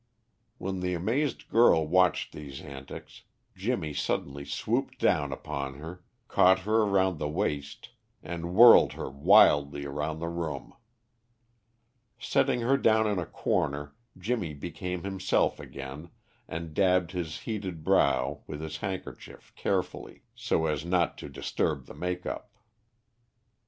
While the amazed girl watched these antics, Jimmy suddenly swooped down upon her, caught her around the waist, and whirled her wildly around the room. Setting her down in a corner, Jimmy became himself again, and dabbed his heated brow with his handkerchief carefully, so as not to disturb the makeup.